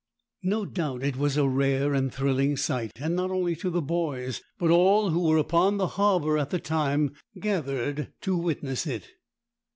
No doubt it was a rare and thrilling sight, and not only the boys, but all who were upon the harbour at the time, gathered to witness it.